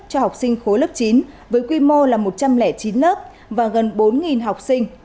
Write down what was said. cho học sinh khối lớp chín với quy mô là một trăm linh chín lớp và gần bốn học sinh